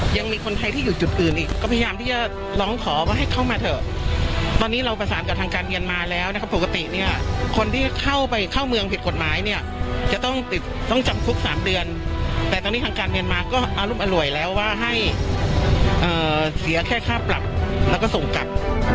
ยังมีคนไทยที่อยู่จุดอื่นอีกก็พยายามที่จะร้องขอว่าให้เข้ามาเถอะตอนนี้เราประสานกับทางการเมียนมาแล้วนะครับปกติเนี่ยคนที่เข้าไปเข้าเมืองผิดกฎหมายเนี่ยจะต้องติดต้องจำคุก๓เดือนแต่ตอนนี้ทางการเมียนมาก็อารุมอร่วยแล้วว่าให้เสียแค่ค่าปรับแล้วก็ส่งกลับ